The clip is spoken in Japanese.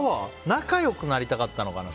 仲良くなりたかったのかな。